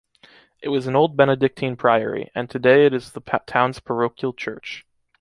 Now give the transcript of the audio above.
It was an old Benedictine priory, and today it is the town’s parochial church.